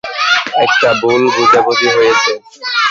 একটা ভুল বোঝাবুঝি হয়েছে।